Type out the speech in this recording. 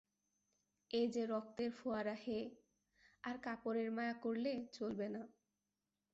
এ যে রক্তের ফোয়ারা হে! আর কাপড়ের মায়া করলে চলবে না।